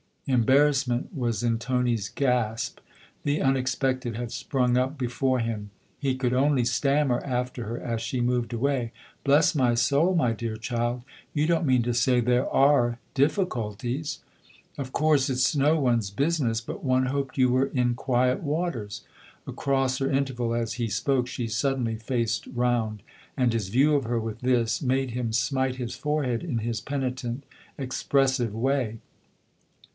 Embarrassment was in Tony's gasp the unex pected had sprung up before him. He could only stammer after her as she moved away: " Bless my soul, my dear child you don't mean to say there are difficulties ? Of course it's no one's business but one hoped you were in quiet waters." Across her interval, as he spoke, she suddenly faced round, and his view of her, with this, made him smite his forehead in his penitent, expressive way.